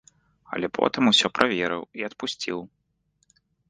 Але потым усё праверыў і адпусціў.